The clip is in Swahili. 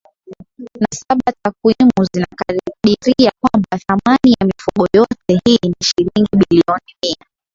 na saba Takwimu zinakadiria kwamba thamani ya mifugo yote hii ni shilingi bilioni Mia